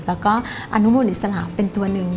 แล้วก็อนุมูลอิสลามเป็นตัวหนึ่ง